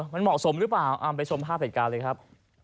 มันเหมาะสมหรือเปล่าเอาไปชมภาพเหตุการณ์เลยครับ